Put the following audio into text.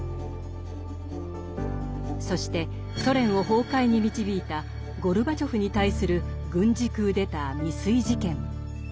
そしてソ連を崩壊に導いたゴルバチョフに対する軍事クーデター未遂事件。